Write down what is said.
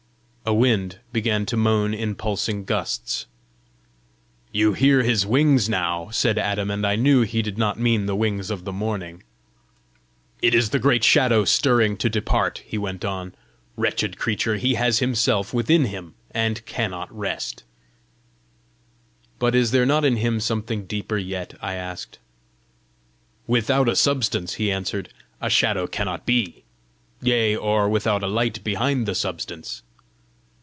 A wind began to moan in pulsing gusts. "You hear his wings now!" said Adam; and I knew he did not mean the wings of the morning. "It is the great Shadow stirring to depart," he went on. "Wretched creature, he has himself within him, and cannot rest!" "But is there not in him something deeper yet?" I asked. "Without a substance," he answered, "a shadow cannot be yea, or without a light behind the substance!"